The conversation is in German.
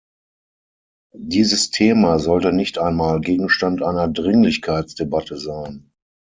Dieses Thema sollte nicht einmal Gegenstand einer Dringlichkeitsdebatte sein.